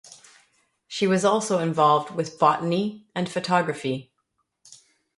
She was also involved with botany and photography.